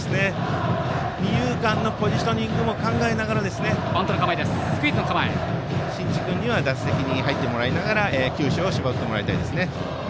二遊間のポジショニングも考えながら新地君には打席に入ってもらいながら球種を絞ってもらいたいです。